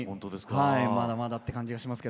まだまだという感じがします。